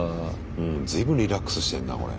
随分リラックスしてんなこれ。